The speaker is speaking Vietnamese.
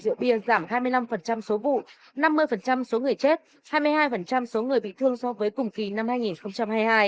rượu bia giảm hai mươi năm số vụ năm mươi số người chết hai mươi hai số người bị thương so với cùng kỳ năm hai nghìn hai mươi hai